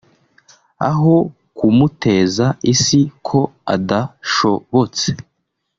Aho kumuteza isi ko adashobotse